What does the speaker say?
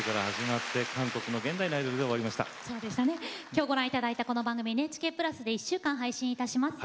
きょうご覧いただいたこの番組「ＮＨＫプラス」で１週間配信いたします。